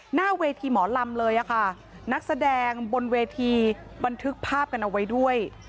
หน้าเวทีหมอลำเลยค่ะนักแสดงบนเวทีบันทึกภาพกันเอาไว้ด้วย